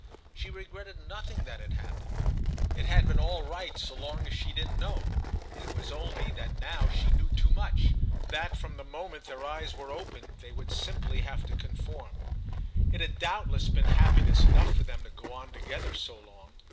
She regretted nothing that had happened; it had all been right so long as she didn't know, and it was only that now she knew too much and that from the moment their eyes were open they would simply have to conform. It had doubtless been happiness enough for them to go on together so long.